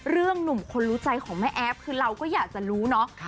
หนุ่มคนรู้ใจของแม่แอฟคือเราก็อยากจะรู้เนาะ